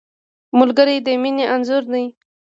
ملګری د مینې انځور دی